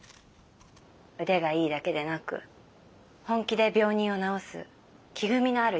腕がいいだけでなく本気で病人を治す気組みのある医者が欲しいって。